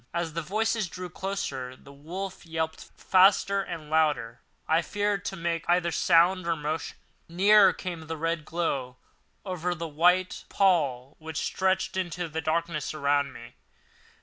As the voices drew closer, the wolf yelped faster and louder. I feared to make either sound or motion. Nearer came the red glow, over the white pall which stretched into the darkness around me.